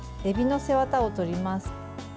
えびの背ワタを取ります。